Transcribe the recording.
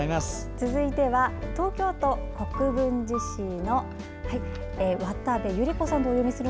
続いては東京都国分寺市の渡部由利子さんです。